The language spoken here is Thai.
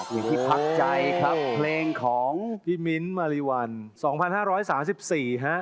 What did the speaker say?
อยู่ที่พักใจครับเพลงของพี่มิ้นท์มาริวัล๒๕๓๔ฮะ